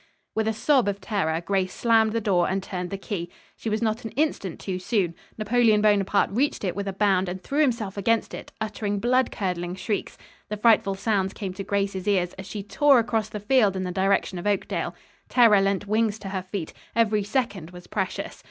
With a sob of terror Grace slammed the door and turned the key. She was not an instant too soon. Napoleon Bonaparte reached it with a bound and threw himself against it, uttering blood curdling shrieks. The frightful sounds came to Grace's ears as she tore across the field in the direction of Oakdale. Terror lent wings to her feet. Every second was precious.